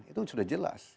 itu sudah jelas